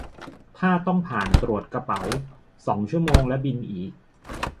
ถ้าต้องผ่านตรวจกระเป๋า สอง ชั่วโมงและบินอีก